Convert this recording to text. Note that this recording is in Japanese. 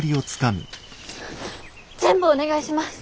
全部お願いします！